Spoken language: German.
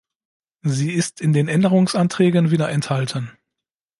Sie ist in den Änderungsanträgen wieder enthalten.